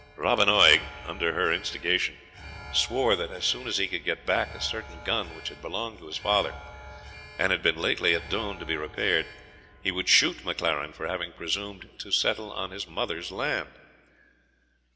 Robin Oig, under her instigation, swore that as soon as he could get back a certain gun which had belonged to his father, and had been lately at Doune to be repaired, he would shoot MacLaren, for having presumed to settle on his mother's land.